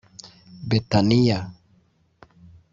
Bethaniya